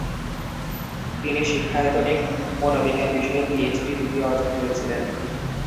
তিনি শিক্ষায়তনিক মনোবিজ্ঞান বিষয়ে পিএইচডি ডিগ্রি অর্জন করেছিলেন।